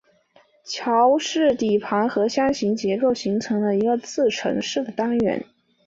桥式底盘和箱形结构形成一个自承式的单元。